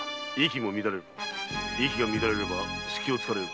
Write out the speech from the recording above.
息が乱れれば隙を突かれる。